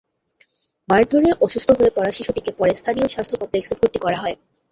মারধরে অসুস্থ হয়ে পড়া শিশুটিকে পরে স্থানীয় স্বাস্থ্য কমপ্লেক্সে ভর্তি করা হয়।